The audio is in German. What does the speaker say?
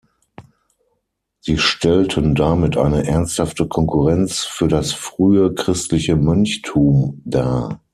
Sie stellten damit eine ernsthafte Konkurrenz für das frühe christliche Mönchtum dar.